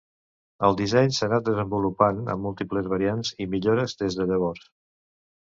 El disseny s'ha anat desenvolupant amb múltiples variants i millores des de llavors.